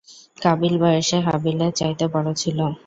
কাবীল বয়সে হাবীলের চাইতে বড় ছিল।